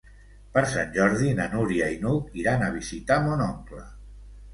Per Sant Jordi na Núria i n'Hug iran a visitar mon oncle.